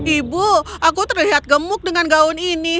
ibu aku terlihat gemuk dengan gaun ini